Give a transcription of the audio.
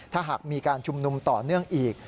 ถ้าหากมีการชุมนุมต่อเนื่องอีก